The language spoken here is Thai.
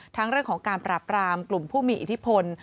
เรื่องของการปราบรามกลุ่มผู้มีอิทธิพล